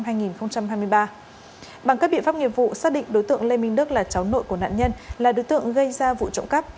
bằng các biện pháp nghiệp vụ xác định đối tượng lê minh đức là cháu nội của nạn nhân là đối tượng gây ra vụ trộm cắp